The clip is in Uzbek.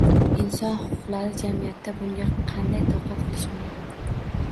Inson huquqlari jamiyatida bunga qanday toqat qilish mumkin?